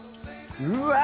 うわ！